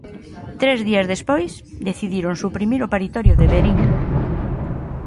Tres días despois, decidiron suprimir o paritorio de Verín.